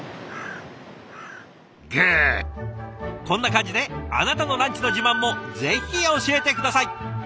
こんな感じであなたのランチの自慢もぜひ教えて下さい。